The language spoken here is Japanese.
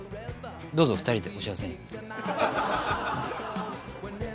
どうぞ２人でお幸せに。